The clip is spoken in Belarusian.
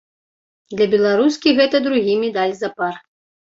Для беларускі гэта другі медаль запар.